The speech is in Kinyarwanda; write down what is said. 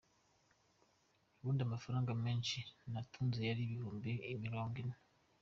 Ubundi amafaranga menshi natunze yari ibihumbi mirongo ine.